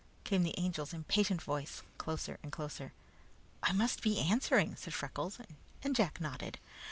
came the Angel's impatient voice, closer and closer. "I must be answering," said Freckles, and Jack nodded.